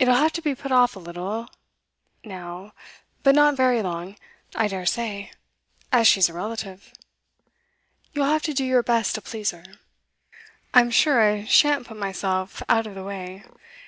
It'll have to be put off a little now; but not very long, I dare say, as she's a relative. You'll have to do your best to please her.' 'I'm sure I shan't put myself out of the way.